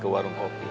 ke warung kopi